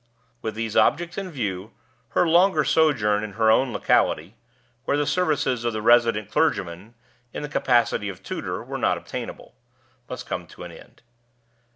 With these objects in view, her longer sojourn in her own locality (where the services of the resident clergyman, in the capacity of tutor, were not obtainable) must come to an end.